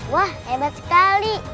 wah hebat sekali